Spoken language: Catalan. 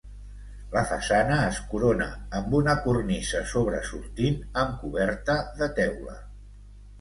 La façana es corona amb una cornisa sobresortint, amb coberta de teula.